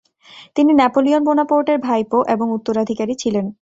তিনি নেপোলিয়ন বোনাপার্টের ভাইপো এবং উত্তরাধিকারী ছিলেন।